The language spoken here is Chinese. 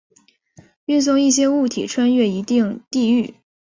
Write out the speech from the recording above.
运送一些物体穿越一定地域。